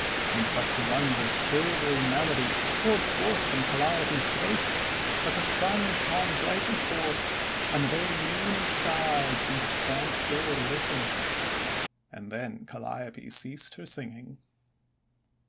And such wondrous silvery melody poured from Calliope's throat, that the Sun shone brightly forth, and the very Moon and Stars seemed to stand still to listen. And then Calliope ceased her singing.